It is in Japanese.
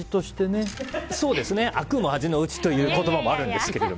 あくも味のうちという言葉もありますけど。